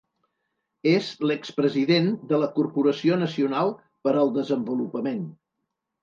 És l'expresident de la Corporació Nacional per al Desenvolupament.